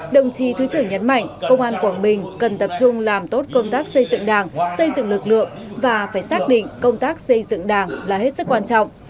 đồng chí thứ trưởng nhấn mạnh công an quảng bình cần tập trung làm tốt công tác xây dựng đảng xây dựng lực lượng và phải xác định công tác xây dựng đảng là hết sức quan trọng